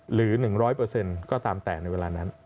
หรือ๑๐๐ก็ตามแต่ในเวลานั้น